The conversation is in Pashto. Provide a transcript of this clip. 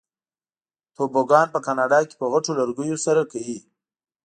توبوګان په کاناډا کې په غټو لرګیو سره کوي.